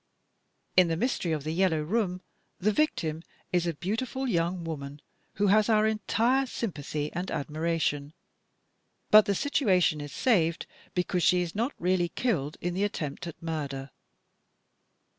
In "The Mystery of the Yellow Room," the victim is a beautiful young woman who has our entire sympathy and admiration, but the situation is saved because she is not really killed in the attempt at murder.